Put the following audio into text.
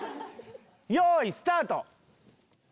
よいスタート！